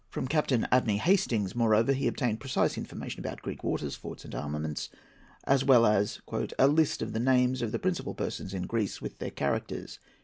From Captain Abney Hastings, moreover, he obtained precise information about Greek waters, forts, and armaments, as well as "a list of the names of the principal persons in Greece, with their characters."